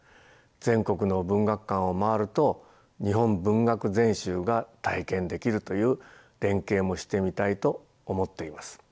全国の文学館を回ると「日本文学全集」が体験できるという連携もしてみたいと思っています。